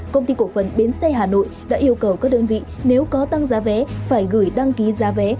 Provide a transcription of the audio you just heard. công ty cổ phần bến xe hà nội đã yêu cầu các đơn vị nếu có tăng giá vé phải gửi đăng ký giá vé